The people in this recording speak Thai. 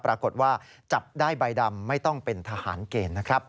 ปรากฏว่าจับได้ใบดำไม่ต้องเป็นทหารเกณฑ์นะครับ